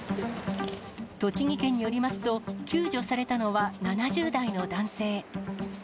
栃木県によりますと、救助されたのは７０代の男性。